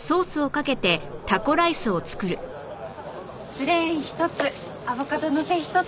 プレーン１つアボカドのせ１つ。